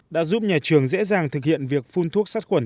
đã giúp nhà trường dễ dàng thực hiện việc phun thuốc sát khuẩn